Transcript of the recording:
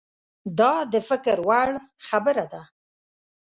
دا د فکر وړ خبره ده.